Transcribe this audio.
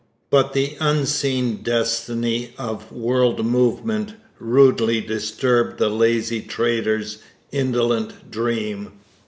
But the unseen destiny of world movement rudely disturbed the lazy trader's indolent dream.